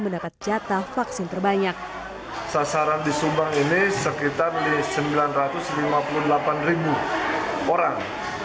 mendapat jatah vaksin terbanyak sasaran di subang ini sekitar sembilan ratus lima puluh delapan orang